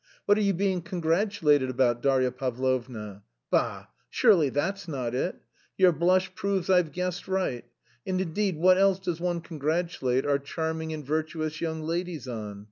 "What are you being congratulated about, Darya Pavlovna? Bah! Surely that's not it? Your blush proves I've guessed right. And indeed, what else does one congratulate our charming and virtuous young ladies on?